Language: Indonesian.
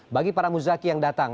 bagi para muzaki yang datang